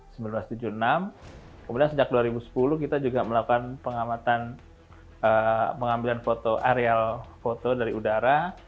kemudian sejak dua ribu sepuluh kita juga melakukan pengambilan aerial foto dari udara